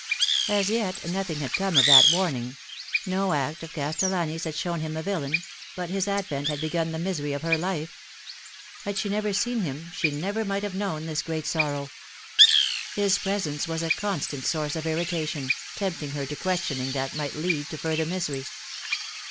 As yet nothing had come of that warning : no act of Castellani's had shown him a villain ; but his advent had begun the misery of her life. Had she never seen him she never Higher Views. 195 might have known this great sorrow. His presence was a con stant source of irritation, tempting her to questioning that might lead to further misery.